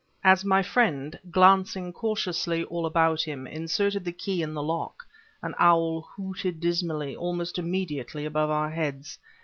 As my friend, glancing cautiously all about him, inserted the key in the lock, an owl hooted dismally almost immediately above our heads.